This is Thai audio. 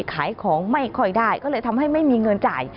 ขายของไม่ค่อยได้ก็เลยทำให้ไม่มีเงินจ่าย